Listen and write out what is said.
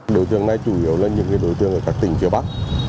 đối tượng này chủ yếu là những đối tượng ở các tỉnh phía bắc